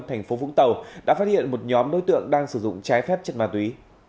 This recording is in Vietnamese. thành phố vũng tàu đã phát hiện một nhóm đối tượng đang sử dụng trái phép chất ma túy